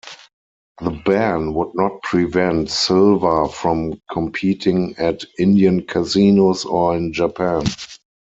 The ban would not prevent Silva from competing at Indian Casinos or in Japan.